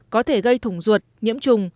có thể gây thủng ruột nhiễm trùng